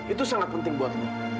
itu sangat penting buat lo